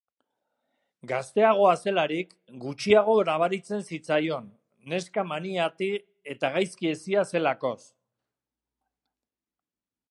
Gazteagoa zelarik, gutxiago nabaritzen zitzaion, neska mainati eta gaizki hezia zelakoz.